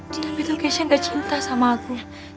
tapi tuh keisha gak cinta sama aku